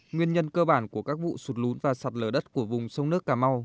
nguyên nhân cơ bản của các vụ sụt lún và sạt lở đất của vùng sông nước cà mau